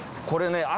これね